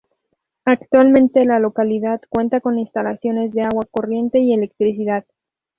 Actualmente, la localidad cuenta con instalaciones de agua corriente y electricidad.